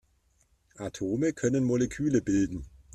Atome können Moleküle bilden.